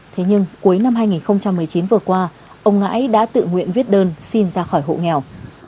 thế nhưng cuối năm hai nghìn một mươi chín vừa qua ông ngãi đã tự nguyện viết đơn xin ra khỏi hộ nghèo